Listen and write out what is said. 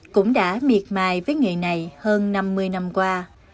cũng đã miệt mài với nghề này hơn năm mươi năm qua